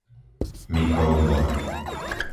Mikov dvor